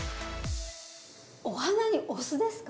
お花にお酢ですか？